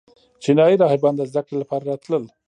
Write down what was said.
چینایي راهبان د زده کړې لپاره راتلل